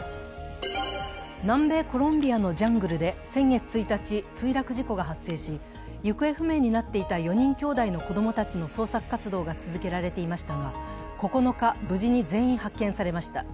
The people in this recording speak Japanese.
南米コロンビアのジャングルで先月１日、墜落事故が発生し行方不明になっていた４人きょうだいの子供たちの捜索活動が続けられていましたが９日、無事に全員発見されました。